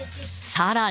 さらに。